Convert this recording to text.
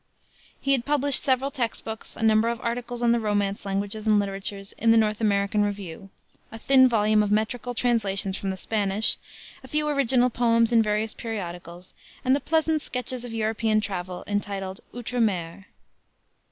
He had published several text books, a number of articles on the Romance languages and literatures in the North American Review, a thin volume of metrical translations from the Spanish, a few original poems in various periodicals, and the pleasant sketches of European travel entitled Outre Mer.